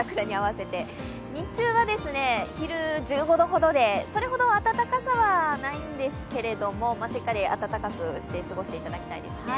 日中は昼１５度ほどで、それほど暖かさはないんですけどしっかり暖かくして過ごしてもらいたいですね。